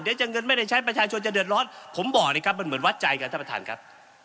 เดี๋ยวจะเงินไม่ได้ใช้ประชาชนจะเดือดร้อนผมบอกเลยครับมันเหมือนวัดใจกันท่านประธานครับ